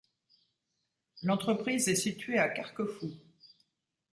L'entreprise est située à Carquefou.